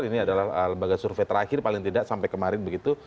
ini adalah lembaga survei terakhir paling tidak sampai kemarin begitu